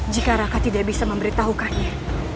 jika raka tidak bisa memberitahukannya